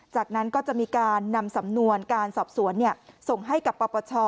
จากนั้นก็จะมีการนำสำนวนการสอบสวนส่งให้กับปปช